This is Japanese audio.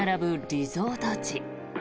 リゾート地。